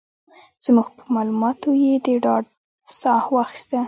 زموږ په مالوماتو یې د ډاډ ساه واخيسته.